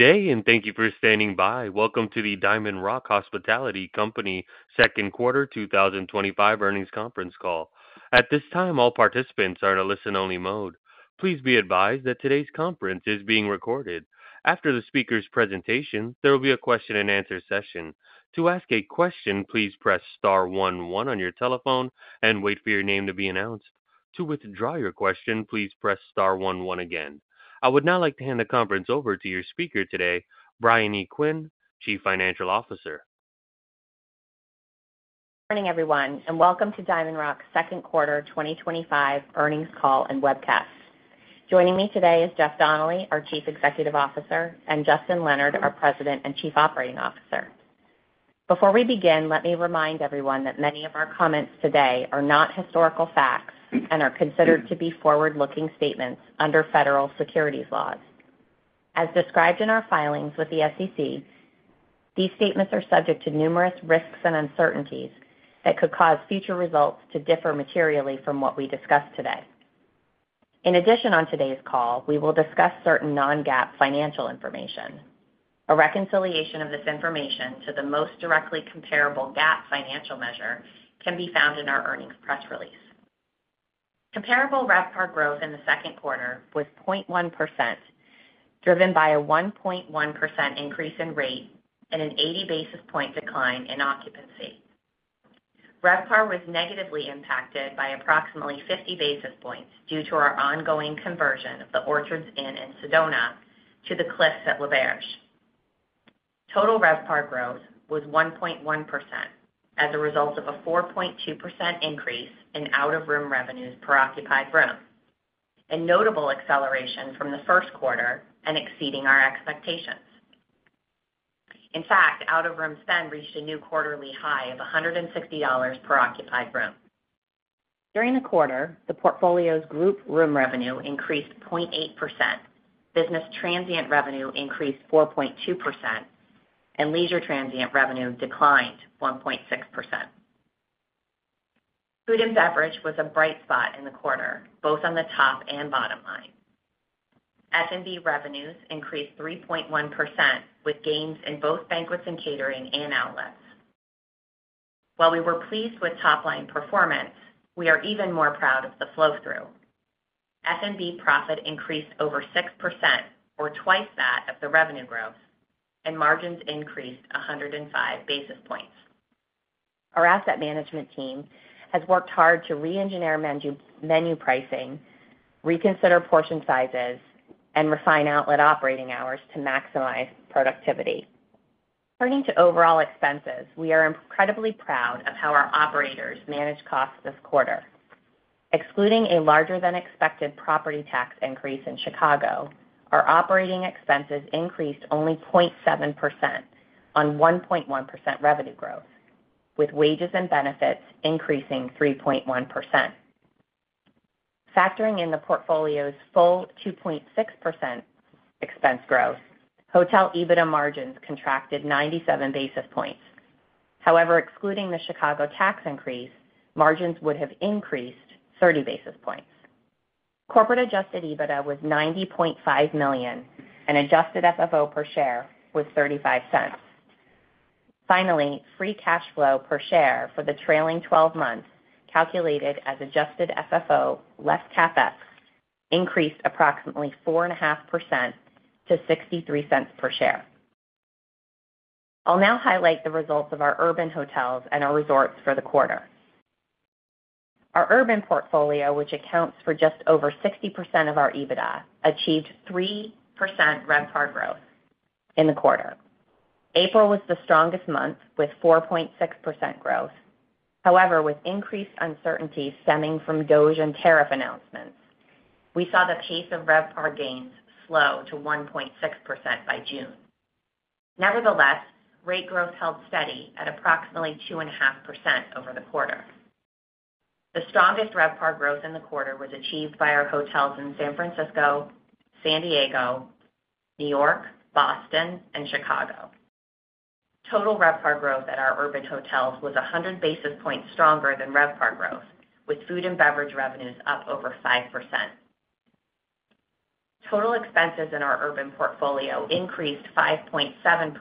Day and thank you for standing by. Welcome to the DiamondRock Hospitality Company Second Quarter 2025 Earnings Conference Call. At this time, all participants are in a listen-only mode. Please be advised that today's conference is being recorded. After the speaker's presentation, there will be a question-and-answer session. To ask a question, please press star one one on your telephone and wait for your name to be announced. To withdraw your question, please press staar one one again. I would now like to hand the conference over to your speaker today, Briony Quinn, Chief Financial Officer. Morning everyone, and welcome to DiamondRock Hospitality Company's Second Quarter 2025 Earnings Call and Webcast. Joining me today is Jeff Donnelly, our Chief Executive Officer, and Justin Leonard, our President and Chief Operating Officer. Before we begin, let me remind everyone that many of our comments today are not historical facts and are considered to be forward-looking statements under federal securities laws. As described in our filings with the SEC, these statements are subject to numerous risks and uncertainties that could cause future results to differ materially from what we discuss today. In addition, on today's call, we will discuss certain non-GAAP financial information. A reconciliation of this information to the most directly comparable GAAP financial measure can be found in our earnings press release. Comparable RevPAR growth in the second quarter was 0.1%, driven by a 1.1% increase in rate and an 80 basis point decline in occupancy. RevPAR was negatively impacted by approximately 50 basis points due to our ongoing conversion of the Orchards Inn in Sedona to the Cliffs at L’Auberge. Total RevPAR growth was 1.1% as a result of a 4.2% increase in out-of-room revenues per occupied room, a notable acceleration from the first quarter and exceeding our expectations. In fact, out-of-room spend reached a new quarterly high of $160/occupied room. During the quarter, the portfolio's group room revenue increased 0.8%, business transient revenue increased 4.2%, and leisure transient revenue declined 1.6%. Food and beverage was a bright spot in the quarter, both on the top and bottom line. F&B revenues increased 3.1% with gains in both banquets and catering and outlets. While we were pleased with top-line performance, we are even more proud of the flow-through. F&B profit increased over 6%, or twice that of the revenue growth, and margins increased 105 basis points. Our asset management team has worked hard to re-engineer menu pricing, reconsider portion sizes, and refine outlet operating hours to maximize productivity. Turning to overall expenses, we are incredibly proud of how our operators managed costs this quarter. Excluding a larger-than-expected property tax increase in Chicago, our operating expenses increased only 0.7% on 1.1% revenue growth, with wages and benefits increasing 3.1%. Factoring in the portfolio's full 2.6% expense growth, hotel EBITDA margins contracted 97 basis points. However, excluding the Chicago tax increase, margins would have increased 30 basis points. Corporate adjusted EBITDA was $90.5 million and adjusted FFO per share was $0.35. Finally, free cash flow per share for the trailing twelve months calculated as adjusted FFO less CapEx increased approximately 4.5% to $0.63/share. I'll now highlight the results of our urban hotels and our resorts for the quarter. Our urban portfolio, which accounts for just over 60% of our EBITDA growth, achieved 3% RevPAR growth in the quarter. April was the strongest month with 4.6% growth. However, with increased uncertainty stemming from DOGE and tariff announcements, we saw the pace of RevPAR gains slow to 1.6% by June. Nevertheless, rate growth held steady at approximately 2.5% over the quarter. The strongest RevPAR growth in the quarter was achieved by our hotels in San Francisco, San Diego, New York, Boston, and Chicago. Total RevPAR growth at our urban hotels was 100 basis points stronger than RevPAR growth, with Food and Beverage Revenue up over 5%. Total Expenses in our urban portfolio increased 5.7%.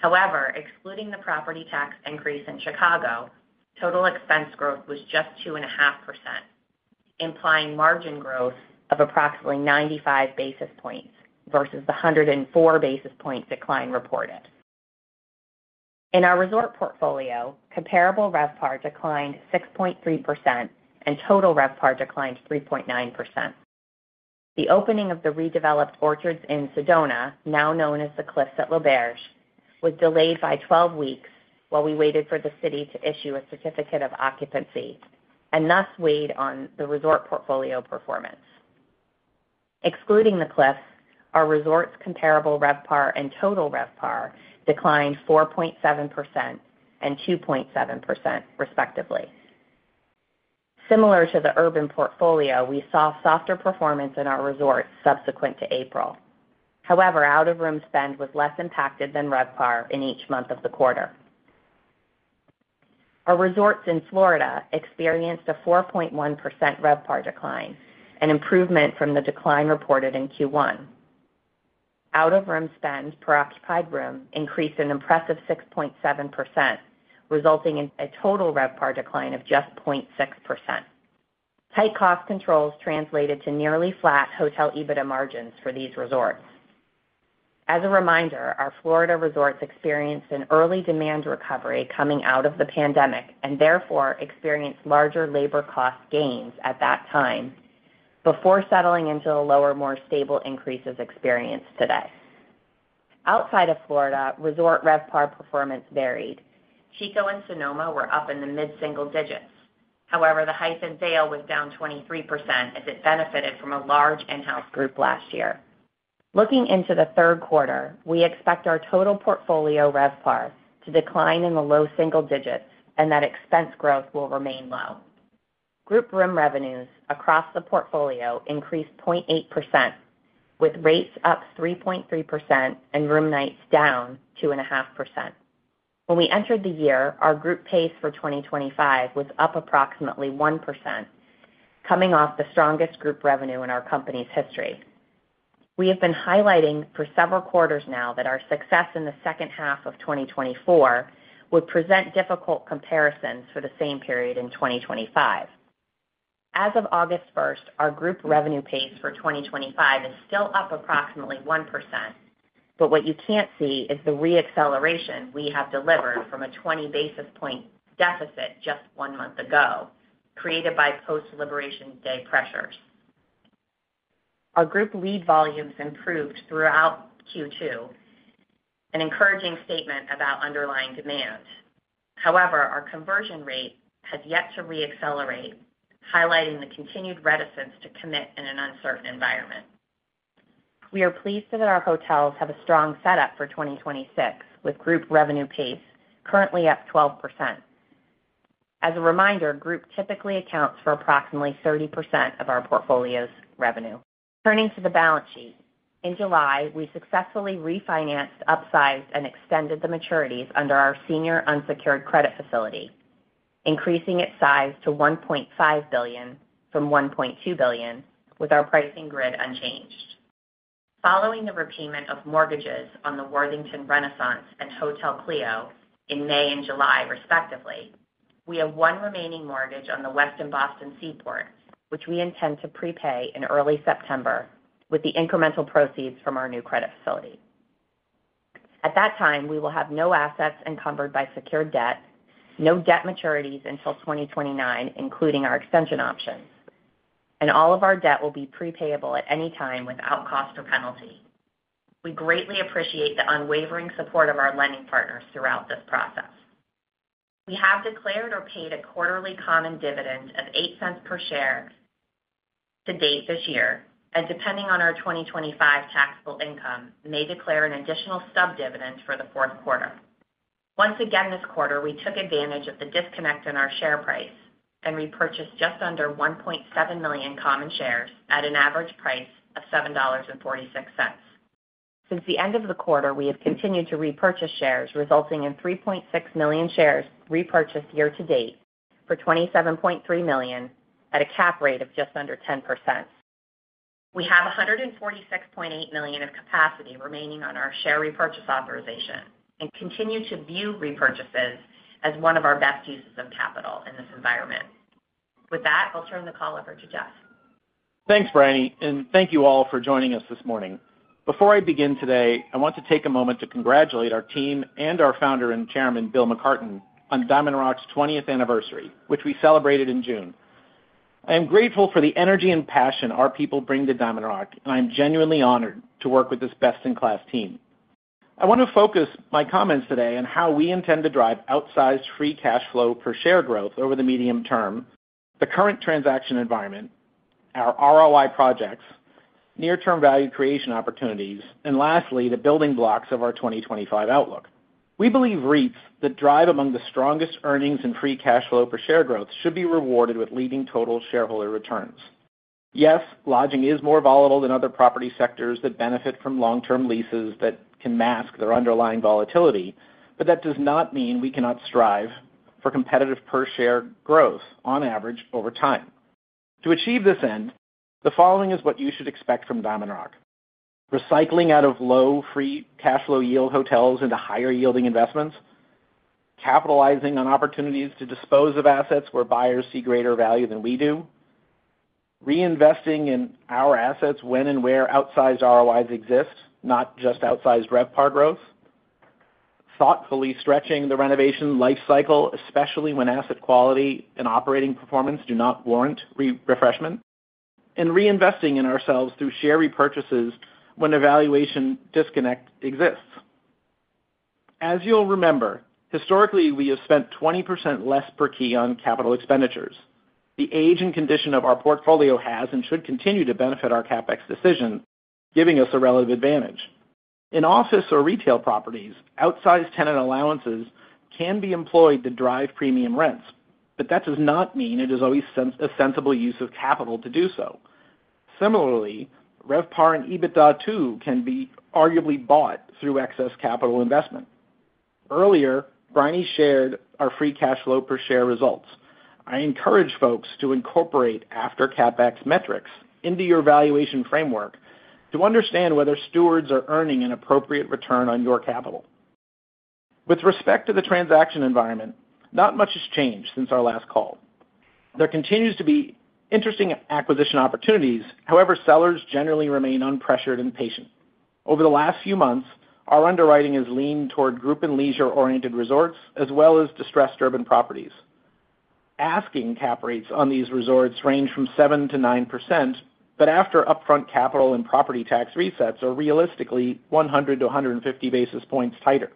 However, excluding the property tax increase in Chicago, total expense growth was just 2.5%, implying margin growth of approximately 95 basis points vs the 104 basis point decline reported. In our resort portfolio, comparable RevPAR declined 6.3% and total RevPAR declined 3.9%. The opening of the redeveloped Orchards Inn in Sedona, now known as the Cliffs at L’Auberge, was delayed by twelve weeks while we waited for the city to issue a certificate of occupancy and thus weighed on the resort portfolio performance. Excluding the Cliffs, our resorts' comparable RevPAR and total RevPAR declined 4.7% and 2.7% respectively. Similar to the urban portfolio, we saw softer performance in our resorts subsequent to April. However, out-of-room spend was less impacted than RevPAR in each month of the quarter. Our resorts in Florida experienced a 4.1% RevPAR decline, an improvement from the decline reported in Q1. Out-of-room spend per occupied room increased an impressive 6.7%, resulting in a total RevPAR decline of just 0.6%. Tight cost controls translated to nearly flat hotel EBITDA margins for these resorts. As a reminder, our Florida resorts experienced an early demand recovery coming out of the pandemic and therefore experienced larger labor cost gains at that time before settling into the lower, more stable increases experienced today. Outside of Florida, resort RevPAR performance varied. Chico and Sonoma were up in the mid-single-digits. However, the Vail was down 23% as it benefited from a large in-house group last year. Looking into the third quarter, we expect our total portfolio RevPAR to decline in the low single digits and that expense growth will remain low. Group room revenues across the portfolio increased 0.8%, with rates up 3.3% and room nights down 2.5%. When we entered the year, our group pace for 2025 was up approximately 1%, coming off the strongest group revenue in our company's history. We have been highlighting for several quarters now that our success in the second half of 2024 would present difficult comparisons for the same period in 2025. As of August 1, our group revenue pace for 2025 is still up approximately 1%, but what you can't see is the re-acceleration we have delivered from a 20 basis point deficit just one month ago, created by post-Liberation Day pressures. Our group lead volumes improved throughout Q2, an encouraging statement about underlying demand. However, our conversion rate has yet to re-accelerate, highlighting the continued reticence to commit in an uncertain environment. We are pleased that our hotels have a strong setup for 2026, with group revenue pace currently up 12%. As a reminder, group typically accounts for approximately 30% of our portfolio's revenue. Turning to the balance sheet, in July, we successfully refinanced, upsized, and extended the maturities under our senior unsecured credit facility, increasing its size to $1.5 billion from $1.2 billion, with our pricing grid unchanged. Following the repayment of mortgages on the Worthington Renaissance and Hotel Cleo in May and July, respectively, we have one remaining mortgage on the Westin Boston Seaport, which we intend to prepay in early September with the incremental proceeds from our new credit facility. At that time, we will have no assets encumbered by secured debt, no debt maturities until 2029, including our extension options, and all of our debt will be prepayable at any time without cost or penalty. We greatly appreciate the unwavering support of our lending partners throughout this process. We have declared or paid a quarterly common dividend of $0.08/share to date this year, and depending on our 2025 taxable income, may declare an additional stub dividend for the fourth quarter. Once again this quarter, we took advantage of the disconnect in our share price and repurchased just under 1.7 million common shares at an average price of $7.46. Since the end of the quarter, we have continued to repurchase shares, resulting in 3.6 million shares repurchased year to date for $27.3 million at a cap rate of just under 10%. We have $146.8 million of capacity remaining on our share repurchase authorization and continue to view repurchases as one of our best uses of capital in this environment. With that, I'll turn the call over to Jeff. Thanks, Briony, and thank you all for joining us this morning. Before I begin today, I want to take a moment to congratulate our team and our founder and Chairman, Bill McCarten, on DiamondRock's 20th anniversary, which we celebrated in June. I am grateful for the energy and passion our people bring to DiamondRock, and I am genuinely honored to work with this best-in-class team. I want to focus my comments today on how we intend to drive outsized free cash flow per share growth over the medium term, the current transaction environment, our ROI projects, near-term value creation opportunities, and lastly, the building blocks of our 2025 outlook. We believe REITs that drive among the strongest earnings and free cash flow per share growth should be rewarded with leading total shareholder returns. Yes, lodging is more volatile than other property sectors that benefit from long-term leases that can mask their underlying volatility, but that does not mean we cannot strive for competitive per share growth on average over time. To achieve this end, the following is what you should expect from DiamondRock: recycling out of low free cash flow yield hotels into higher yielding investments, capitalizing on opportunities to dispose of assets where buyers see greater value than we do, reinvesting in our assets when and where outsized ROIs exist, not just outsized RevPAR growth, thoughtfully stretching the renovation lifecycle, especially when asset quality and operating performance do not warrant refreshment, and reinvesting in ourselves through share repurchases when a valuation disconnect exists. As you'll remember, historically we have spent 20% less per key on capital expenditures. The age and condition of our portfolio has and should continue to benefit our CapEx decision, giving us a relative advantage. In office or retail properties, outsized tenant allowances can be employed to drive premium rents, but that does not mean it is always a sensible use of capital to do so. Similarly, RevPAR and EBITDA too can be arguably bought through excess capital investment. Earlier, Briony shared our free cash flow per share results. I encourage folks to incorporate after CapEx metrics into your valuation framework to understand whether stewards are earning an appropriate return on your capital. With respect to the transaction environment, not much has changed since our last call. There continues to be interesting acquisition opportunities. However, sellers generally remain unpressured and patient. Over the last few months, our underwriting has leaned toward group and leisure-oriented resorts as well as distressed urban properties. Asking cap rates on these resorts range from 7%-9%, but after upfront capital and property tax resets are realistically 100 basis points-150 basis points tighter.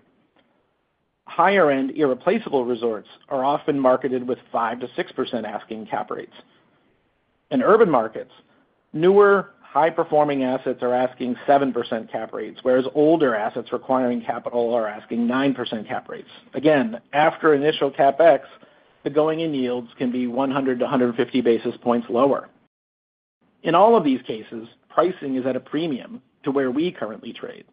Higher-end irreplaceable resorts are often marketed with 5%-6% asking cap rates. In urban markets, newer high-performing assets are asking 7% cap rates, whereas older assets requiring capital are asking 9% cap rates. Again, after initial CapEx, the going in yields can be 100 basis points-150 basis points lower. In all of these cases, pricing is at a premium to where we currently trade.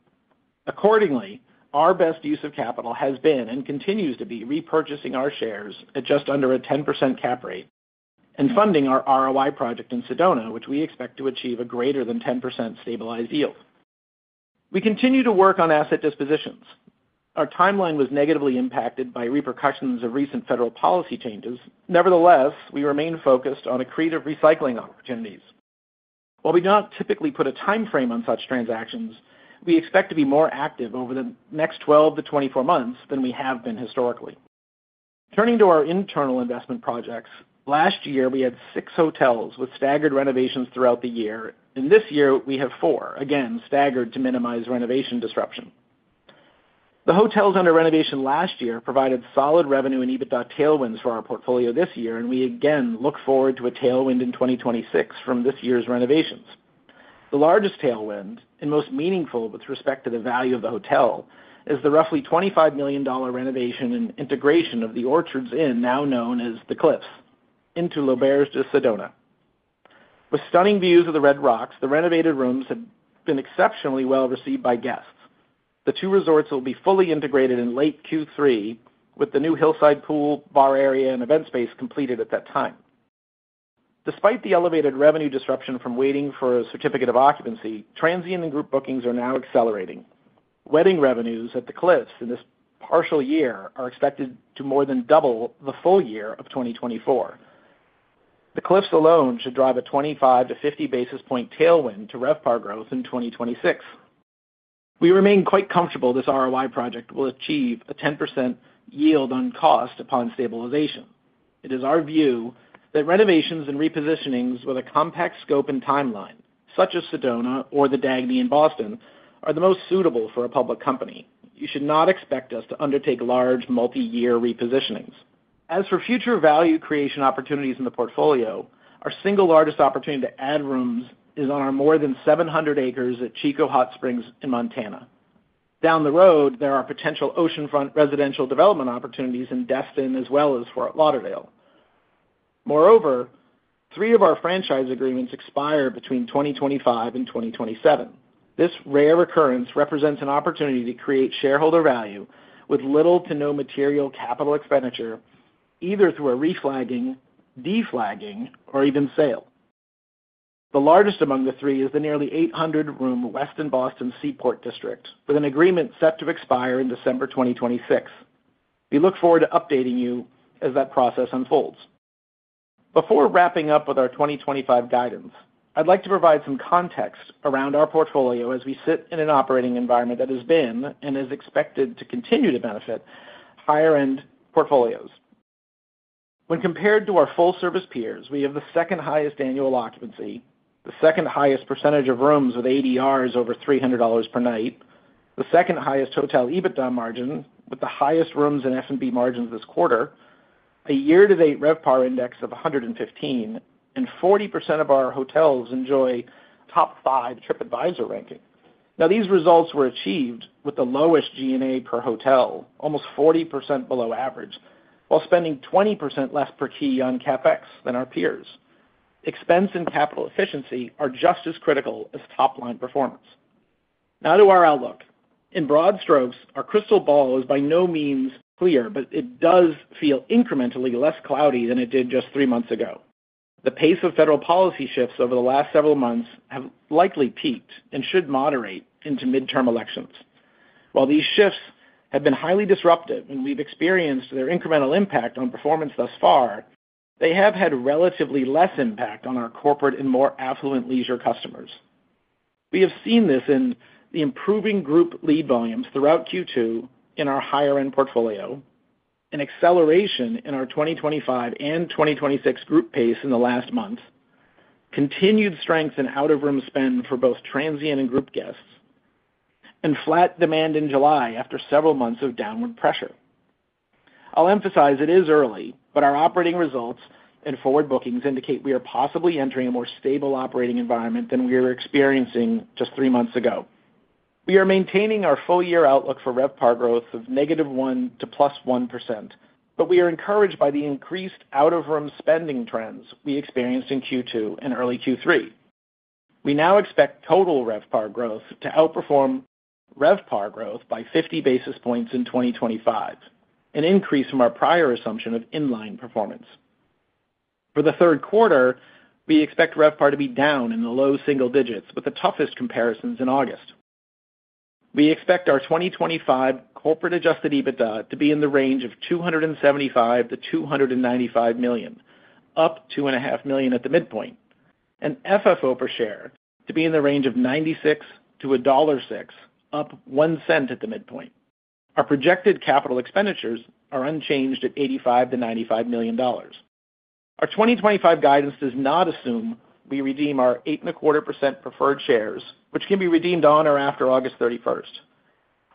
Accordingly, our best use of capital has been and continues to be repurchasing our shares at just under a 10% cap rate and funding our ROI project in Sedona, which we expect to achieve a greater than 10% stabilized yield. We continue to work on asset dispositions. Our timeline was negatively impacted by repercussions of recent federal policy changes. Nevertheless, we remain focused on accretive recycling opportunities. While we do not typically put a timeframe on such transactions, we expect to be more active over the next 12 months-24 months than we have been historically. Turning to our internal investment projects, last year we had six hotels with staggered renovations throughout the year, and this year we have four, again staggered to minimize renovation disruption. The hotels under renovation last year provided solid revenue and EBITDA tailwinds for our portfolio this year, and we again look forward to a tailwind in 2026 from this year's renovations. The largest tailwind and most meaningful with respect to the value of the hotel is the roughly $25 million renovation and integration of the Orchards Inn, now known as the Cliffs, into L’Auberge de Sedona. With stunning views of the Red Rocks, the renovated rooms have been exceptionally well received by guests. The two resorts will be fully integrated in late Q3, with the new hillside pool, bar area, and event space completed at that time. Despite the elevated revenue disruption from waiting for a certificate of occupancy, transient and group bookings are now accelerating. Wedding revenues at the Cliffs in this partial year are expected to more than double the full year of 2024. The Cliffs alone should drive a 25 basis points-50 basis point tailwind to RevPAR growth in 2026. We remain quite comfortable this ROI project will achieve a 10% yield on cost upon stabilization. It is our view that renovations and repositionings with a compact scope and timeline, such as Sedona or the Dagny in Boston, are the most suitable for a public company. You should not expect us to undertake large multi-year repositionings. As for future value creation opportunities in the portfolio, our single largest opportunity to add rooms is on our more than 700 acres at Chico Hot Springs in Montana. Down the road, there are potential oceanfront residential development opportunities in Destin as well as Fort Lauderdale. Moreover, three of our franchise agreements expire between 2025 and 2027. This rare occurrence represents an opportunity to create shareholder value with little to no material capital expenditure, either through a reflagging, deflagging, or even sale. The largest among the three is the nearly 800-room Westin Boston Seaport District, with an agreement set to expire in December 2026. We look forward to updating you as that process unfolds. Before wrapping up with our 2025 guidance, I'd like to provide some context around our portfolio as we sit in an operating environment that has been and is expected to continue to benefit higher-end portfolios. When compared to our full-service peers, we have the second highest annual occupancy, the second highest percentage of rooms with ADRs over $300/night, the second highest hotel EBITDA margin with the highest rooms and F&B margins this quarter, a year-to-date RevPAR index of 115, and 40% of our hotels enjoy top five TripAdvisor ranking. Now, these results were achieved with the lowest GNA per hotel, almost 40% below average, while spending 20% less per key on capex than our peers. Expense and capital efficiency are just as critical as top-line performance. Now to our outlook. In broad strokes, our crystal ball is by no means clear, but it does feel incrementally less cloudy than it did just three months ago. The pace of federal policy shifts over the last several months have likely peaked and should moderate into midterm elections. While these shifts have been highly disruptive and we've experienced their incremental impact on performance thus far, they have had relatively less impact on our corporate and more affluent leisure customers. We have seen this in the improving group lead volumes throughout Q2 in our higher-end portfolio, an acceleration in our 2025 and 2026 group pace in the last month, continued strength in out-of-room spend for both transient and group guests, and flat demand in July after several months of downward pressure. I'll emphasize it is early, but our operating results and forward bookings indicate we are possibly entering a more stable operating environment than we were experiencing just three months ago. We are maintaining our full-year outlook for RevPAR growth of negative 1% to plus 1%, but we are encouraged by the increased out-of-room spending trends we experienced in Q2 and early Q3. We now expect total RevPAR growth to outperform RevPAR growth by 50 basis points in 2025, an increase from our prior assumption of inline performance. For the third quarter, we expect RevPAR to be down in the low single-digits with the toughest comparisons in August. We expect our 2025 corporate adjusted EBITDA to be in the range of $275 million-$295 million, up $2.5 million at the midpoint, and adjusted FFO per share to be in the range of $0.96-$1.06, up $0.01 at the midpoint. Our projected capital expenditures are unchanged at $85 million-$95 million. Our 2025 guidance does not assume we redeem our 8.25% preferred shares, which can be redeemed on or after August 31.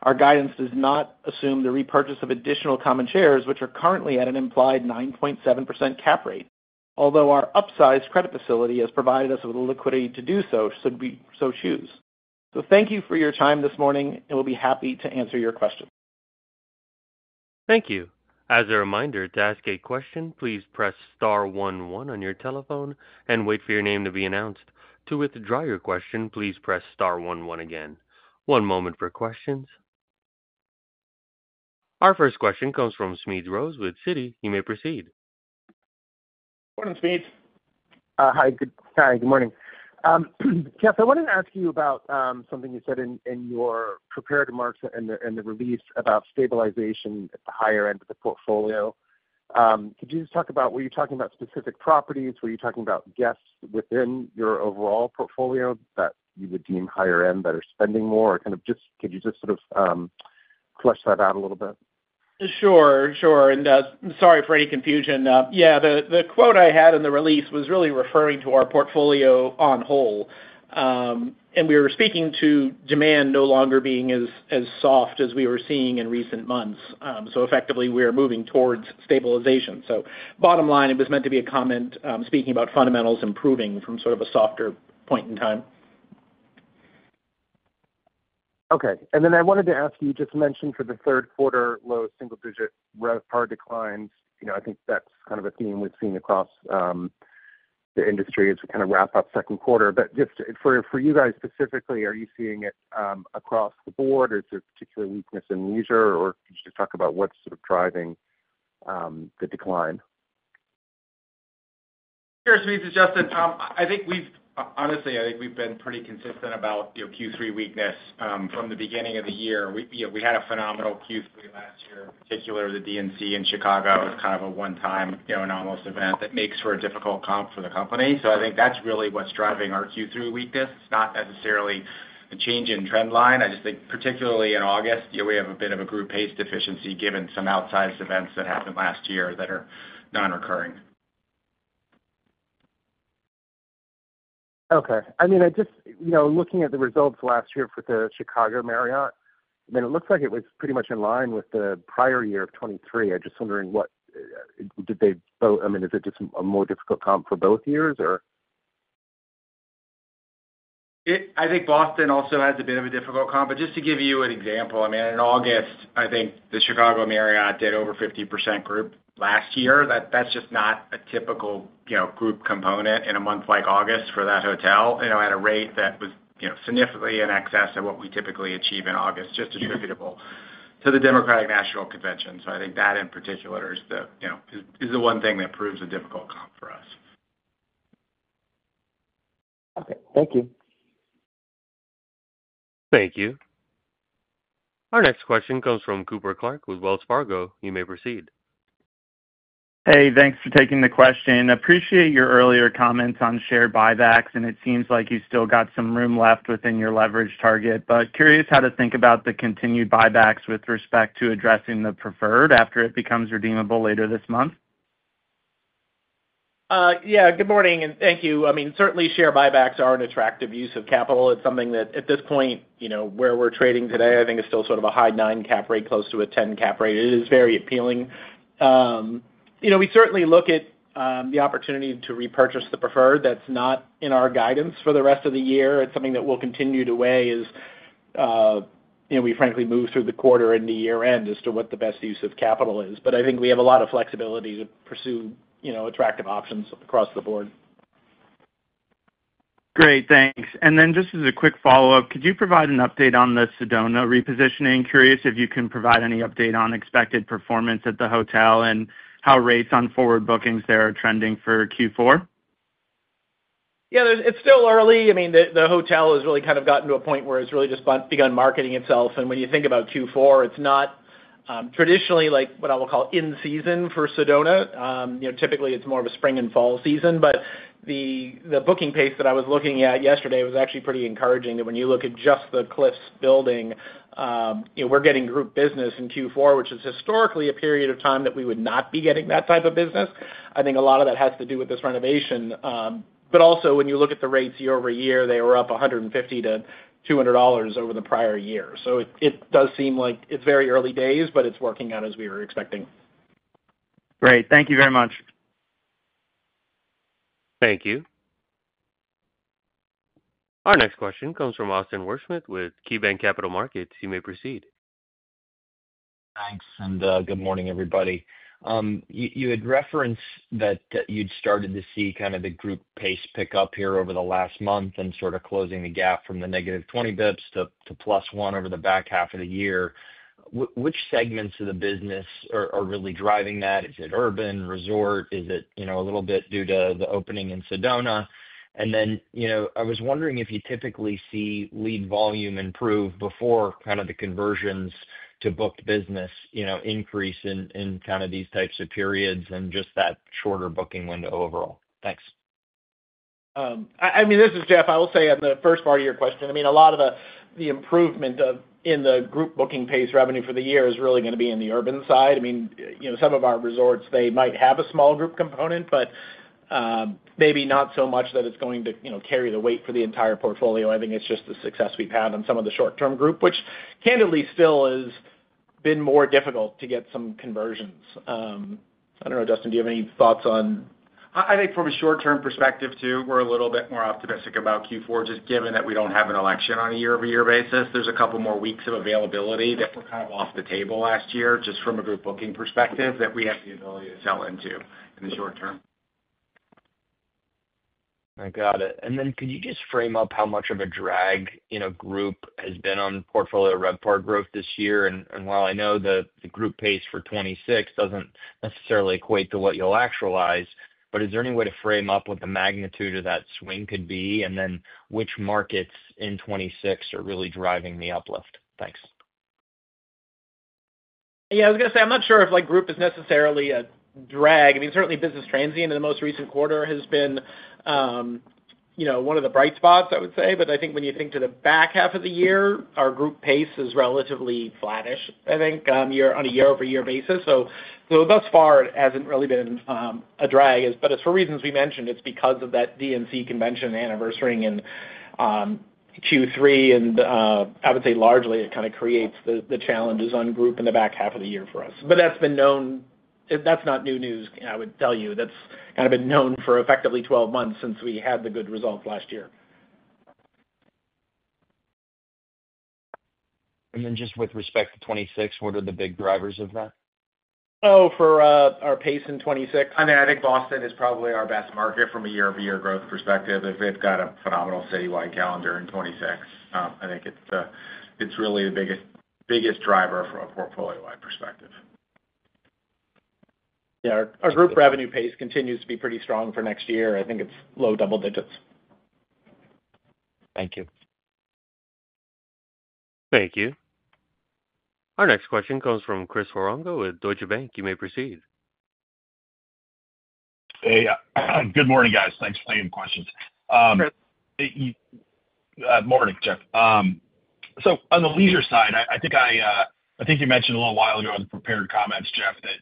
Our guidance does not assume the repurchase of additional common shares, which are currently at an implied 9.7% cap rate, although our upsized credit facility has provided us with the liquidity to do so should we so choose. Thank you for your time this morning, and we'll be happy to answer your questions. Thank you. As a reminder, to ask a question, please press star one one on your telephone and wait for your name to be announced. To withdraw your question, please press star one one again. One moment for questions. Our first question comes from Smedes Rose with Citi. You may proceed. Morning, Smedes. Hi, good morning. Jeff, I wanted to ask you about something you said in your prepared remarks and the release about stabilization at the higher end of the portfolio. Could you just talk about, were you talking about specific properties? Were you talking about guests within your overall portfolio that you would deem higher end that are spending more? Could you just sort of flesh that out a little bit? Sure. Sorry for any confusion. The quote I had in the release was really referring to our portfolio on hold. We were speaking to demand no longer being as soft as we were seeing in recent months. Effectively, we are moving towards stabilization. Bottom line, it was meant to be a comment speaking about fundamentals improving from sort of a softer point in time. Okay. I wanted to ask you, you just mentioned for the third quarter low single-digit RevPAR declines. I think that's kind of a theme we've seen across the industry as we kind of wrap up second quarter. Just for you guys specifically, are you seeing it across the board? Is there a particular weakness in leisure? Could you just talk about what's sort of driving the decline? Sure, Smede, it's Justin. I think we've been pretty consistent about Q3 weakness from the beginning of the year. We had a phenomenal Q3 last year, particularly the DNC in Chicago. It was kind of a one-time anomalous event that makes for a difficult comp for the company. I think that's really what's driving our Q3 weakness. It's not necessarily a change in trend line. I just think particularly in August, we have a bit of a group pace deficiency given some outsized events that happened last year that are non-recurring. Okay. I mean, just looking at the results last year for the Chicago Marriott, it looks like it was pretty much in line with the prior year of 2023. I'm just wondering what did they vote? I mean, is it just a more difficult comp for both years? I think Boston also has a bit of a difficult comp, but just to give you an example, in August, I think the Chicago Marriott did over 50% group last year. That's just not a typical group component in a month like August for that hotel, at a rate that was significantly in excess of what we typically achieve in August, just attributable to the Democratic National Convention. I think that in particular is the one thing that proves a difficult comp for us. Thank you. Thank you. Our next question comes from Cooper Clark with Wells Fargo. You may proceed. Hey, thanks for taking the question. Appreciate your earlier comments on share buybacks, and it seems like you still got some room left within your leverage target, but curious how to think about the continued buybacks with respect to addressing the preferred after it becomes redeemable later this month. Good morning and thank you. Certainly, share buybacks are an attractive use of capital. It's something that at this point, where we're trading today, I think it's still sort of a high 9% cap rate, close to a 10% cap rate. It is very appealing. We certainly look at the opportunity to repurchase the preferred. That's not in our guidance for the rest of the year. It's something that we'll continue to weigh as we frankly move through the quarter and the year end as to what the best use of capital is. I think we have a lot of flexibility to pursue attractive options across the board. Great, thanks. Just as a quick follow-up, could you provide an update on the Sedona repositioning? Curious if you can provide any update on expected performance at the hotel and how rates on forward bookings there are trending for Q4? Yeah, it's still early. I mean, the hotel has really kind of gotten to a point where it's really just begun marketing itself. When you think about Q4, it's not traditionally like what I will call in season for Sedona. You know, typically it's more of a spring and fall season, but the booking pace that I was looking at yesterday was actually pretty encouraging. When you look at just the Cliffs building, you know, we're getting group business in Q4, which is historically a period of time that we would not be getting that type of business. I think a lot of that has to do with this renovation. Also, when you look at the rates year-over-year, they were up $150-$200 over the prior year. It does seem like it's very early days, but it's working out as we were expecting. Great, thank you very much. Thank you. Our next question comes from Austin Wurschmidt with KeyBanc Capital Markets. You may proceed. Thanks, and good morning everybody. You had referenced that you'd started to see kind of the group pace pick up here over the last month and sort of closing the gap from the negative 20 basis points to +1 over the back half of the year. Which segments of the business are really driving that? Is it Urban Resort? Is it, you know, a little bit due to the opening in Sedona? I was wondering if you typically see lead volume improve before kind of the conversions to booked business increase in kind of these types of periods and just that shorter booking window overall. Thanks. I mean, this is Jeff. I will say on the first part of your question, a lot of the improvement in the group booking pace revenue for the year is really going to be in the urban side. Some of our resorts might have a small group component, but maybe not so much that it's going to carry the weight for the entire portfolio. I think it's just the success we've had on some of the short-term group, which candidly still has been more difficult to get some conversions. I don't know, Justin, do you have any thoughts on? I think from a short-term perspective too, we're a little bit more optimistic about Q4, just given that we don't have an election on a year-over-year basis. There's a couple more weeks of availability that were kind of off the table last year, just from a group booking perspective, that we have the ability to sell into in the short term. I got it. Could you just frame up how much of a drag, you know, group has been on portfolio RevPAR growth this year? While I know the group pace for 2026 doesn't necessarily equate to what you'll actualize, is there any way to frame up what the magnitude of that swing could be? Which markets in 2026 are really driving the uplift? Thanks. I was going to say I'm not sure if group is necessarily a drag. Certainly, business transient in the most recent quarter has been one of the bright spots, I would say. I think when you think to the back half of the year, our group pace is relatively flattish, I think, on a year-over-year basis. Thus far it hasn't really been a drag. It's for reasons we mentioned. It's because of that DNC convention and anniversary in Q3. I would say largely it kind of creates the challenges on group in the back half of the year for us. That's been known, that's not new news, I would tell you. That's kind of been known for effectively 12 months since we had the good results last year. With respect to 2026, what are the big drivers of that? Oh, for our pace in 2026? I think Boston is probably our best market from a year-over-year growth perspective. If they've got a phenomenal citywide calendar in 2026, I think it's really the biggest driver from a portfolio-wide perspective. Yeah, our group revenue pace continues to be pretty strong for next year. I think it's low double-digits. Thank you. Thank you. Our next question comes from Chris Woronka with Deutsche Bank. You may proceed. Hey, good morning guys. Thanks for the questions. Morning, Jeff. On the leisure side, I think you mentioned a little while ago in the prepared comments, Jeff, that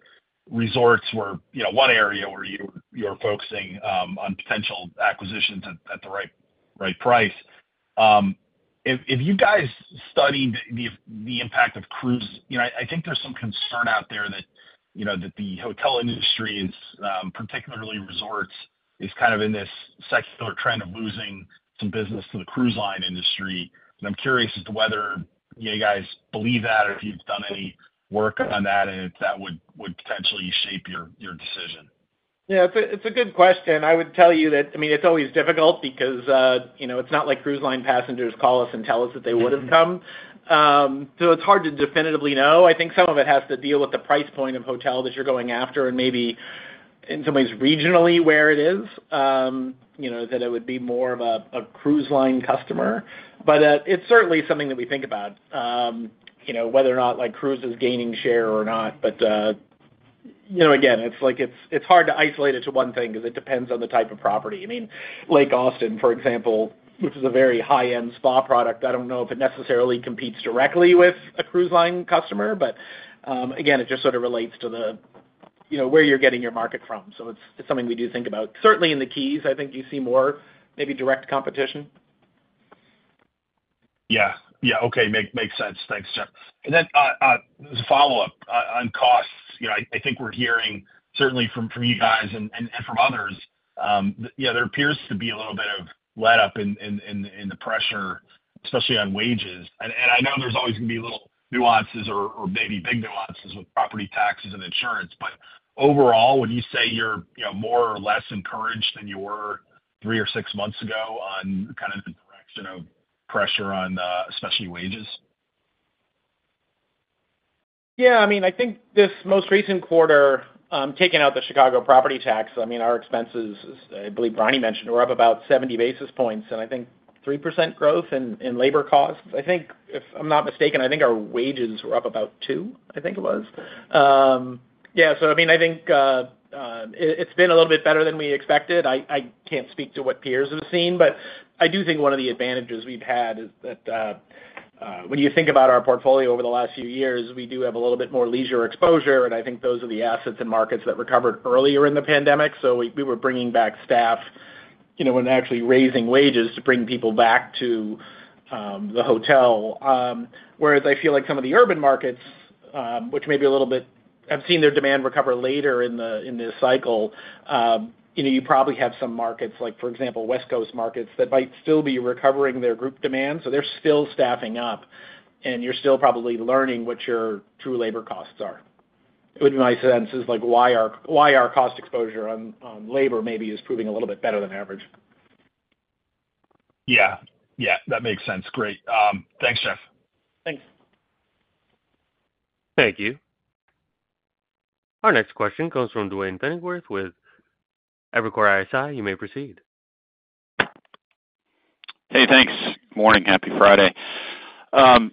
resorts were, you know, one area where you were focusing on potential acquisitions at the right price. If you guys study the impact of cruise, I think there's some concern out there that the hotel industry, particularly resorts, is kind of in this secular trend of losing some business to the cruise line industry. I'm curious as to whether you guys believe that or if you've done any work on that and if that would potentially shape your decision. Yeah, it's a good question. I would tell you that it's always difficult because, you know, it's not like cruise line passengers call us and tell us that they wouldn't come. It's hard to definitively know. I think some of it has to deal with the price point of hotel that you're going after and maybe in some ways regionally where it is, you know, that it would be more of a cruise line customer. It's certainly something that we think about, you know, whether or not cruise is gaining share or not. Again, it's hard to isolate it to one thing because it depends on the type of property. I mean, Lake Austin, for example, which is a very high-end spa product, I don't know if it necessarily competes directly with a cruise line customer. It just sort of relates to where you're getting your market from. It's something we do think about. Certainly in the Keys, I think you see more maybe direct competition. Yeah, okay, makes sense. Thanks, Jeff. There's a follow-up on costs. I think we're hearing certainly from you guys and from others, there appears to be a little bit of letup in the pressure, especially on wages. I know there's always going to be little nuances or maybe big nuances with property taxes and insurance. Overall, would you say you're more or less encouraged than you were three or six months ago on the direction of pressure on especially wages? Yeah, I mean, I think this most recent quarter, taking out the Chicago property tax, our expenses, I believe Briony mentioned, were up about 70 basis points. I think 3% growth in labor costs. I think, if I'm not mistaken, our wages were up about 2%, I think it was. Yeah, I think it's been a little bit better than we expected. I can't speak to what peers have seen, but I do think one of the advantages we've had is that when you think about our portfolio over the last few years, we do have a little bit more leisure exposure. I think those are the assets and markets that recovered earlier in the pandemic. We were bringing back staff and actually raising wages to bring people back to the hotel. I feel like some of the urban markets, which maybe have seen their demand recover later in this cycle, you probably have some markets like, for example, West Coast markets that might still be recovering their group demand. They're still staffing up, and you're still probably learning what your true labor costs are. It would be my sense as to why our cost exposure on labor maybe is proving a little bit better than average. Yeah, that makes sense. Great. Thanks, Jeff. Thanks. Thank you. Our next question comes from Duane Pfennigwerth with Evercore ISI. You may proceed. Hey, thanks. Morning. Happy Friday.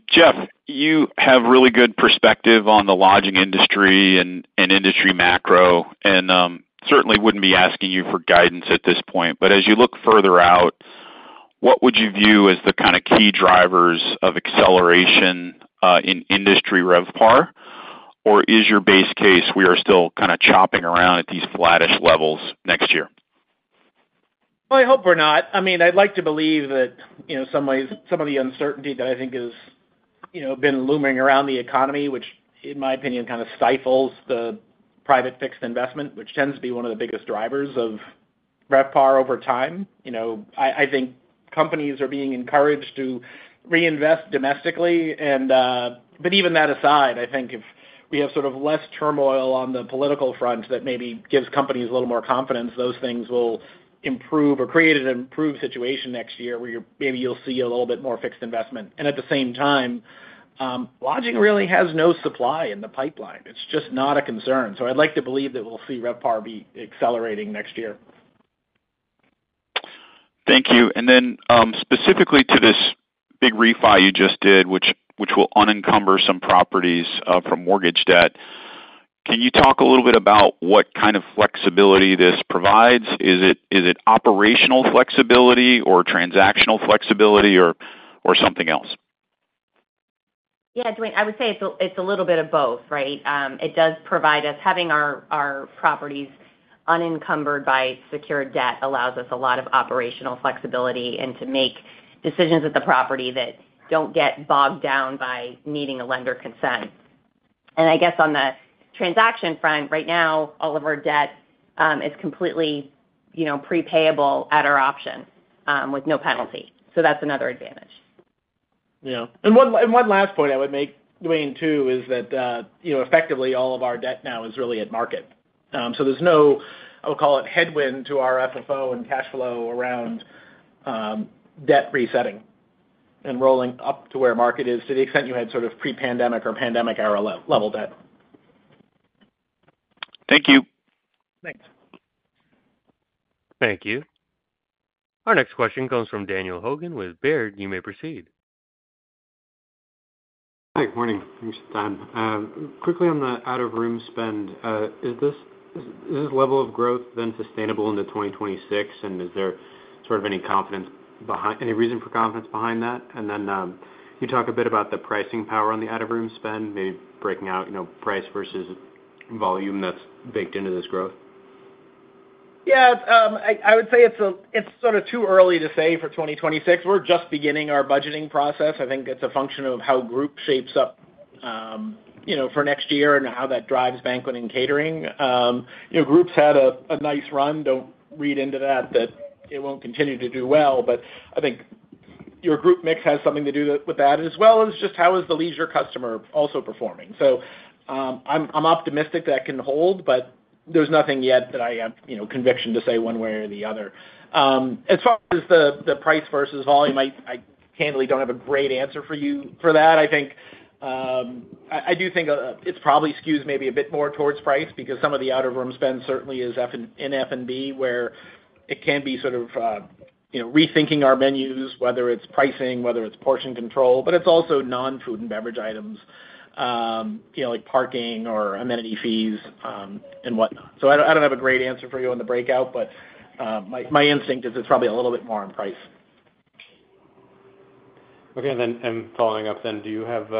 Jeff, you have really good perspective on the lodging industry and industry macro, and certainly wouldn't be asking you for guidance at this point. As you look further out, what would you view as the kind of key drivers of acceleration in industry RevPAR? Is your base case we are still kind of chopping around at these flattest levels next year? I hope we're not. I'd like to believe that some of the uncertainty that I think has been looming around the economy, which in my opinion kind of stifles the private fixed investment, which tends to be one of the biggest drivers of RevPAR over time. I think companies are being encouraged to reinvest domestically. Even that aside, I think if we have sort of less turmoil on the political front, that maybe gives companies a little more confidence, those things will improve or create an improved situation next year where maybe you'll see a little bit more fixed investment. At the same time, lodging really has no supply in the pipeline. It's just not a concern. I'd like to believe that we'll see RevPAR be accelerating next year. Thank you. Specifically to this big refi you just did, which will unencumber some properties from mortgage debt, can you talk a little bit about what kind of flexibility this provides? Is it operational flexibility or transactional flexibility or something else? Yeah, Duane, I would say it's a little bit of both, right? It does provide us, having our properties unencumbered by secured debt allows us a lot of operational flexibility to make decisions at the property that don't get bogged down by needing a lender consent. I guess on the transaction front, right now, all of our debt is completely prepayable at our option with no penalty. That's another advantage. Yeah. One last point I would make, Duane, is that, you know, effectively all of our debt now is really at market. There's no, I'll call it, headwind to our FFO and cash flow around debt resetting and rolling up to where market is to the extent you had sort of pre-pandemic or pandemic level debt. Thank you. Thanks. Thank you. Our next question comes from Daniel Hogan with Baird. You may proceed. Hi, good morning. Thanks, Don. Quickly on the out-of-room spend, is this level of growth then sustainable into 2026? Is there any reason for confidence behind that? You talk a bit about the pricing power on the out-of-room spend, maybe breaking out price vs volume that's baked into this growth. Yeah, I would say it's sort of too early to say for 2026. We're just beginning our budgeting process. I think it's a function of how group shapes up for next year and how that drives banqueting and catering. Groups had a nice run. Don't read into that that it won't continue to do well. I think your group mix has something to do with that as well as just how is the leisure customer also performing. I'm optimistic that can hold, but there's nothing yet that I have conviction to say one way or the other. As far as the price vs volume, I candidly don't have a great answer for you for that. I do think it's probably skewed maybe a bit more towards price because some of the out-of-room spend certainly is in F&B where it can be rethinking our menus, whether it's pricing, whether it's portion control, but it's also non-food and beverage items like parking or amenity fees and whatnot. I don't have a great answer for you on the breakout, but my instinct is it's probably a little bit more on price. Okay, and then following up, do you have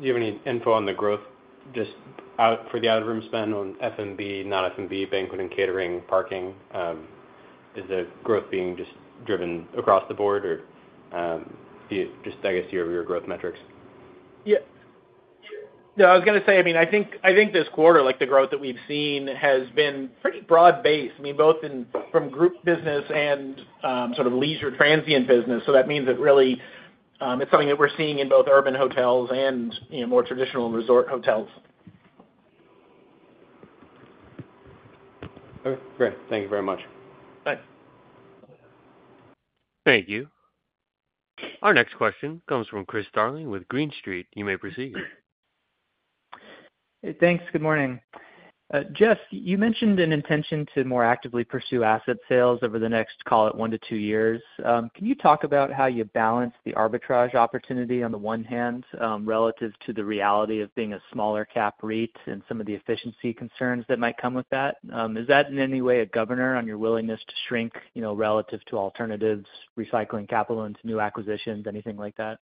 any info on the growth just for the out-of-room spend on F&B, non-F&B, banqueting, catering, parking? Is the growth being driven across the board or just, I guess, your growth metrics? I was going to say, I think this quarter, like the growth that we've seen has been pretty broad-based. I mean, both from group business and sort of leisure transient business. That means that really it's something that we're seeing in both urban hotels and, you know, more traditional resort hotels. Okay, great. Thank you very much. Thanks. Thank you. Our next question comes from Chris Darling with Green Street. You may proceed. Hey, thanks. Good morning. Jeff, you mentioned an intention to more actively pursue asset sales over the next, call it, 1-2 years. Can you talk about how you balance the arbitrage opportunity on the one hand relative to the reality of being a smaller cap REIT and some of the efficiency concerns that might come with that? Is that in any way a governor on your willingness to shrink, you know, relative to alternatives, recycling capital into new acquisitions, anything like that?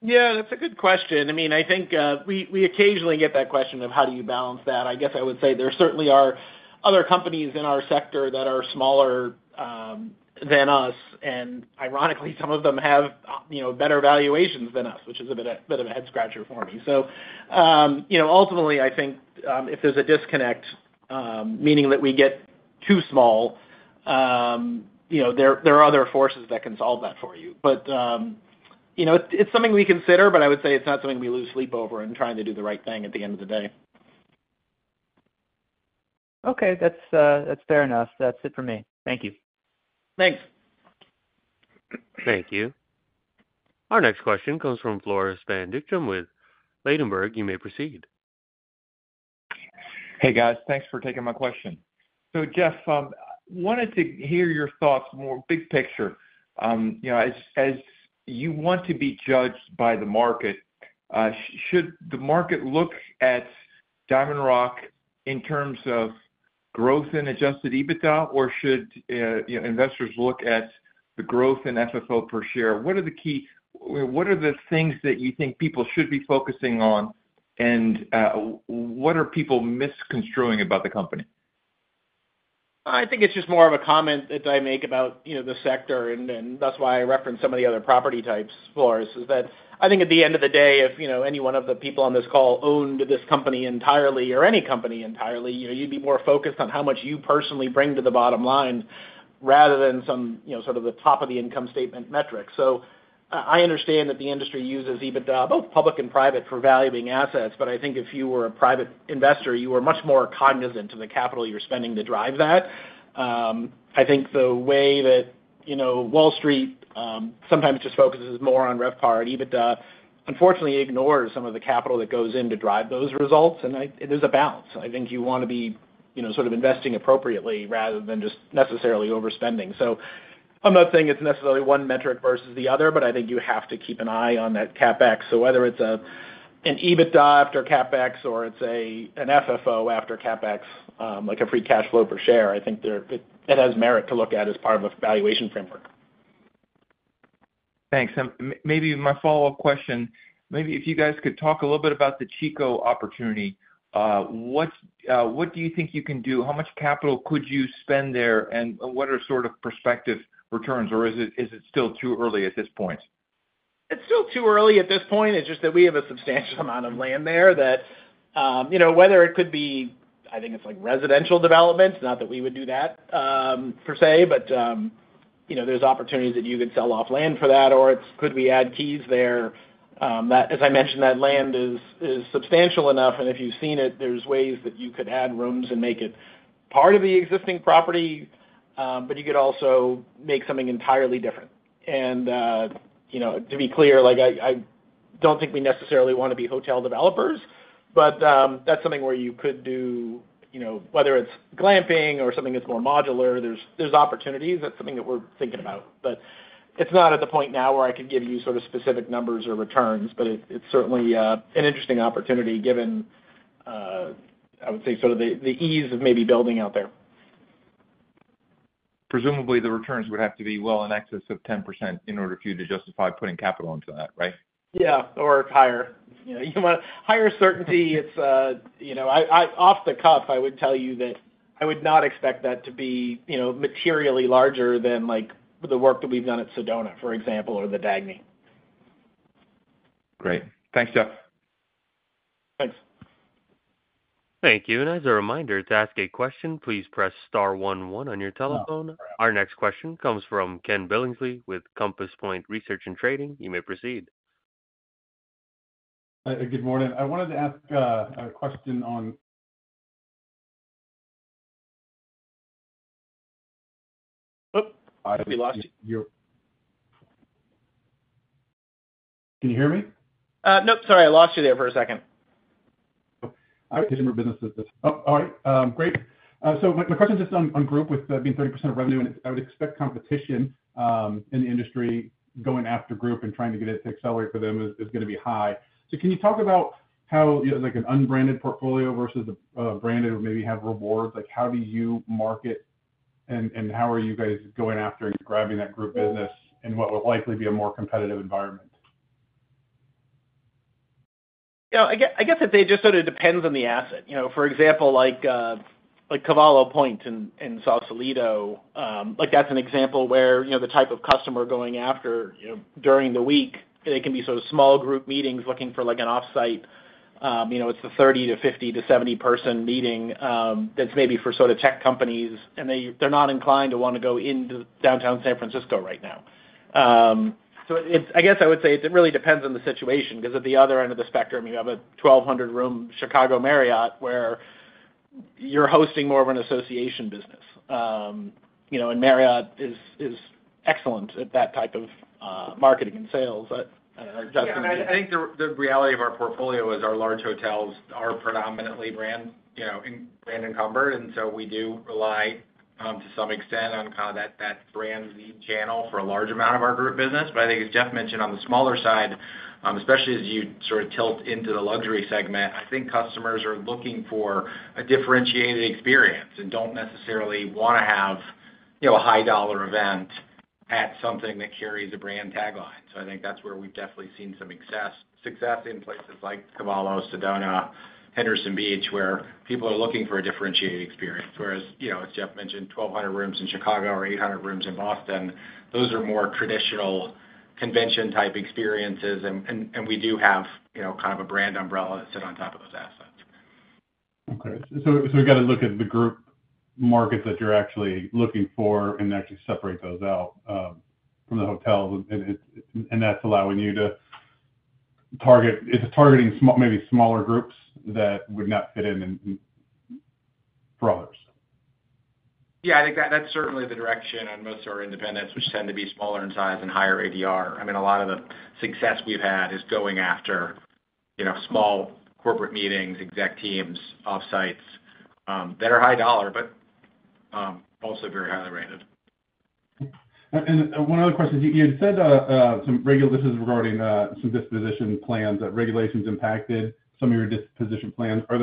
Yeah, that's a good question. I think we occasionally get that question of how do you balance that. I would say there certainly are other companies in our sector that are smaller than us. Ironically, some of them have better valuations than us, which is a bit of a head-scratcher for me. Ultimately, I think if there's a disconnect, meaning that we get too small, there are other forces that can solve that for you. It's something we consider, but I would say it's not something we lose sleep over in trying to do the right thing at the end of the day. Okay, that's fair enough. That's it for me. Thank you. Thanks. Thank you. Our next question comes from Floris van Dijkum with Ladenburg. You may proceed. Hey, guys, thanks for taking my question. Jeff, I wanted to hear your thoughts more big picture. You know, as you want to be judged by the market, should the market look at DiamondRock in terms of growth and adjusted EBITDA, or should investors look at the growth in FFO per share? What are the key, what are the things that you think people should be focusing on, and what are people misconstruing about the company? I think it's just more of a comment that I make about, you know, the sector, and that's why I referenced some of the other property types, Floris, is that I think at the end of the day, if, you know, any one of the people on this call owned this company entirely or any company entirely, you'd be more focused on how much you personally bring to the bottom line rather than some, you know, sort of the top of the income statement metrics. I understand that the industry uses EBITDA, both public and private, for valuing assets, but I think if you were a private investor, you were much more cognizant of the capital you're spending to drive that. I think the way that, you know, Wall Street sometimes just focuses more on RevPAR and EBITDA unfortunately ignores some of the capital that goes in to drive those results, and there's a balance. I think you want to be, you know, sort of investing appropriately rather than just necessarily overspending. I'm not saying it's necessarily one metric vs the other, but I think you have to keep an eye on that capex. Whether it's an EBITDA after capex or it's an FFO after capex, like a free cash flow per share, I think it has merit to look at as part of a valuation framework. Thanks. Maybe if you guys could talk a little bit about the Chico opportunity, what do you think you can do? How much capital could you spend there, and what are sort of perspective returns? Is it still too early at this point? It's still too early at this point. It's just that we have a substantial amount of land there that, you know, whether it could be, I think it's like residential developments, not that we would do that per se, but, you know, there's opportunities that you could sell off land for that, or it could be add keys there. As I mentioned, that land is substantial enough, and if you've seen it, there's ways that you could add rooms and make it part of the existing property, but you could also make something entirely different. To be clear, I don't think we necessarily want to be hotel developers, but that's something where you could do, you know, whether it's glamping or something that's more modular, there's opportunities. That's something that we're thinking about. It's not at the point now where I could give you sort of specific numbers or returns, but it's certainly an interesting opportunity given, I would say, sort of the ease of maybe building out there. Presumably, the returns would have to be well in excess of 10% in order for you to justify putting capital into that, right? Yeah, or it's higher. Higher certainty, it's, off the cuff, I would tell you that I would not expect that to be materially larger than like the work that we've done at Sedona, for example, or the Dagny. Great. Thanks, Jeff. Thanks. Thank you. As a reminder, to ask a question, please press star one one on your telephone. Our next question comes from Ken Billingsley with Compass Point Research and Trading. You may proceed. Good morning. I wanted to ask a question on—I think we lost you. Can you hear me? Nope, sorry, I lost you there for a second. All right. Great. My question is just on group with being 30% of revenue, and I would expect competition in the industry going after group and trying to get it to accelerate for them is going to be high. Can you talk about how, like an unbranded portfolio vs the branded or maybe have rewards? How do you market and how are you guys going after and grabbing that group business in what will likely be a more competitive environment? Yeah, I guess it just sort of depends on the asset. For example, like Cavallo Point in Sausalito, that's an example where the type of customer going after during the week can be sort of small group meetings looking for an offsite. It's the 30-50-70 person meeting that's maybe for sort of tech companies, and they're not inclined to want to go into downtown San Francisco right now. I would say it really depends on the situation because at the other end of the spectrum, you have a 1,200 room Chicago Marriott where you're hosting more of an association business, and Marriott is excellent at that type of marketing and sales. I think the reality of our portfolio is our large hotels are predominantly brand-encumbered, and we do rely to some extent on that brand lead channel for a large amount of our group business. I think, as Jeff mentioned, on the smaller side, especially as you sort of tilt into the luxury segment, customers are looking for a differentiated experience and don't necessarily want to have a high-dollar event at something that carries a brand tagline. I think that's where we've definitely seen some success in places like Cavallo, Sedona, Henderson Beach, where people are looking for a differentiated experience. As Jeff mentioned, 1,200 rooms in Chicago or 800 rooms in Boston are more traditional convention-type experiences, and we do have a brand umbrella to sit on top of those assets. Okay. We've got to look at the group markets that you're actually looking for and actually separate those out from the hotels, and that's allowing you to target, is it targeting maybe smaller groups that would not fit in in parole? Yeah, I think that that's certainly the direction on most of our independents, which tend to be smaller in size and higher ADR. I mean, a lot of the success we've had is going after small corporate meetings, exec teams, offsites that are high dollar, but also very highly rated. You had said some regulations regarding some disposition plans that regulations impacted some of your disposition plans. Are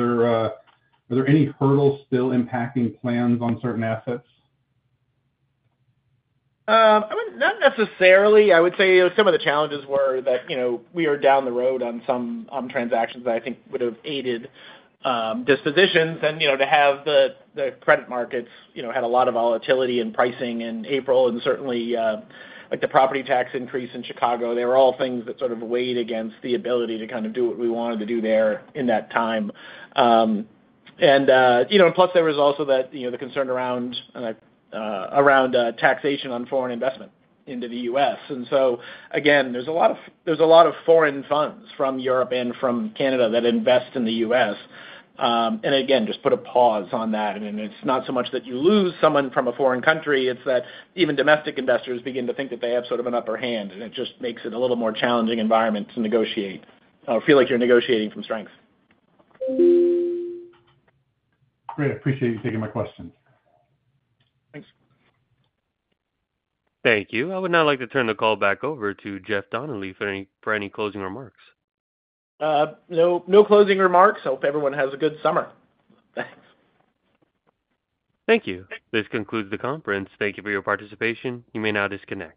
there any hurdles still impacting plans on certain assets? I mean, not necessarily. I would say some of the challenges were that we are down the road on some transactions that I think would have aided dispositions. To have the credit markets, you know, had a lot of volatility in pricing in April, and certainly the property tax increase in Chicago, they were all things that sort of weighed against the ability to kind of do what we wanted to do there in that time. Plus, there was also the concern around taxation on foreign investment into the U.S. There's a lot of foreign funds from Europe and from Canada that invest in the U.S., and just put a pause on that. It's not so much that you lose someone from a foreign country, it's that even domestic investors begin to think that they have sort of an upper hand, and it just makes it a little more challenging environment to negotiate or feel like you're negotiating from strength. Great. I appreciate you taking my questions. Thanks. Thank you. I would now like to turn the call back over to Jeff Donnelly for any closing remarks. No, no closing remarks. Hope everyone has a good summer. Thanks. Thank you. This concludes the conference. Thank you for your participation. You may now disconnect.